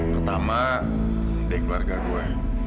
pertama dek warga gue